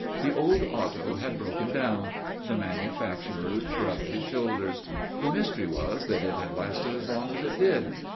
The old auto had broken down. The manufacturer shrugged his shoulders. The mystery was that it had lasted as long as it did.